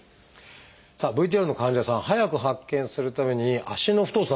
さあＶＴＲの患者さん早く発見するために足の太さ